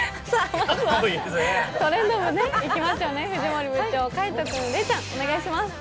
「トレンド部」いきましょうね、藤森部長、海音君、礼ちゃん、お願いします。